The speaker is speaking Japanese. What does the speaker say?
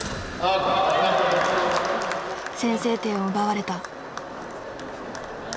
先制点を奪われた。